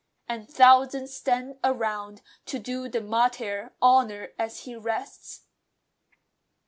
and thousands stand around, To do the martyr honour as he rests.